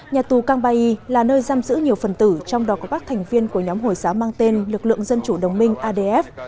nhà tù kambay là nơi giam giữ nhiều phần tử trong đó có các thành viên của nhóm hồi giáo mang tên lực lượng dân chủ đồng minh adf